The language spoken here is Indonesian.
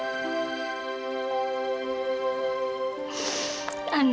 mama ngerti perasaan kamu sayang